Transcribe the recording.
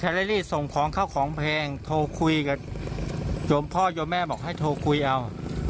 เลรี่ส่งของเข้าของแพงโทรคุยกับโยมพ่อโยมแม่บอกให้โทรคุยเอา